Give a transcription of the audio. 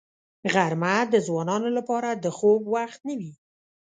غرمه د ځوانانو لپاره د خوب وخت نه وي